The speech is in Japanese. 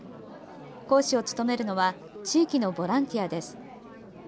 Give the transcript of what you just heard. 講師を務めるのは地域のボランティアです。